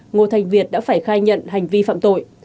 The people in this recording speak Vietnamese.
ngô thành việt đã phải khai nhận hành vi phạm tội